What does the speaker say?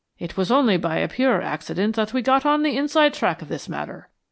"It was only by a pure accident that we got on the inside track of this matter.